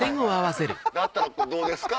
だったらこれどうですか？